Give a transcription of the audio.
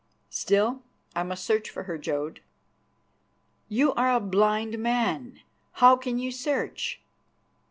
"Still, I must search for her, Jodd." "You are a blind man. How can you search?"